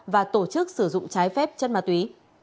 và tổ chức sử dụng trái phép chất ma túy